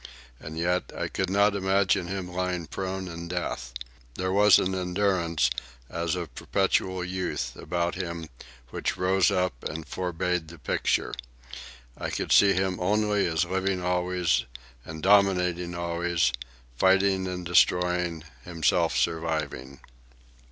And yet, I could not imagine him lying prone in death. There was an endurance, as of perpetual youth, about him, which rose up and forbade the picture. I could see him only as living always, and dominating always, fighting and destroying, himself surviving.